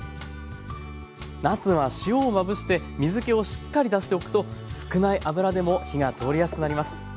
なすは塩をまぶして水けをしっかり出しておくと少ない油でも火が通りやすくなります。